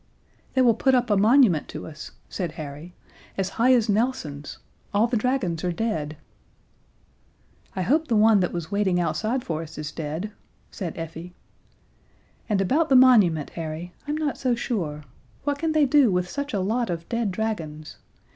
"They will put up a monument to us," said Harry, "as high as Nelson's! All the dragons are dead." "I hope the one that was waiting outside for us is dead!" said Effie. "And about the monument, Harry, I'm not so sure. What can they do with such a lot of dead dragons?